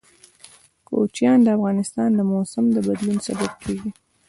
کوچیان د افغانستان د موسم د بدلون سبب کېږي.